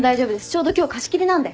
ちょうど今日貸し切りなんで。